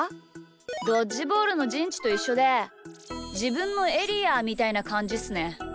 ドッジボールのじんちといっしょでじぶんのエリアみたいなかんじっすね。